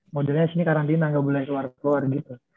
modelnya disini karantina gak boleh keluar keluar